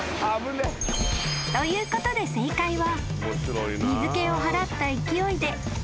ということで正解は］